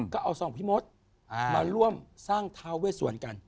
ก็เอาสองพี่มดมาร่วมสร้างท้าเวสวรรณกัน